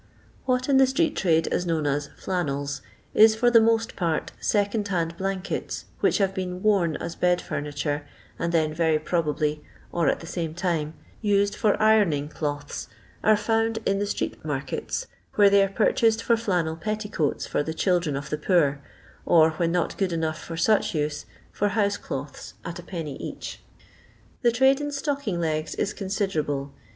What in the street trade is known as "FlannsU" is for the most part second hand blankets, which having been worn as bed furniture, and then very probably, or at the same time, used for ironing cloths, are found in the street markets, where | I LONDON LABOUR AND THE LONDON POOH 15 tiler are pnrclused for flannel petticoats for the children of the poor, or when not good enough for fueh ate, for houte cloths, at \d. each. The trade in itocking legs is considerable.